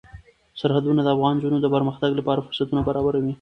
سرحدونه د افغان نجونو د پرمختګ لپاره فرصتونه برابروي.